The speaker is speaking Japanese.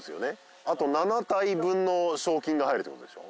あと７体分の賞金が入るってことでしょ？